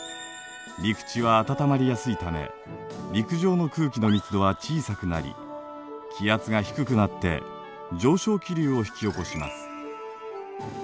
陸地は暖まりやすいため陸上の空気の密度は小さくなり気圧が低くなって上昇気流を引き起こします。